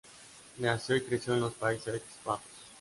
Nació y creció en los Países Bajos.